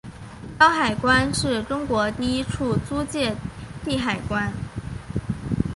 胶海关是中国第一处租借地海关。